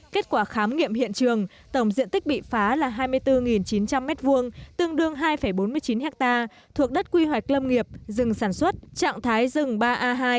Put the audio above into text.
kết quả khám nghiệm hiện trường tổng diện tích bị phá là hai mươi bốn chín trăm linh m hai tương đương hai bốn mươi chín ha thuộc đất quy hoạch lâm nghiệp rừng sản xuất trạng thái rừng ba a hai